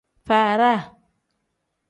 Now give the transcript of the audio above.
Faada.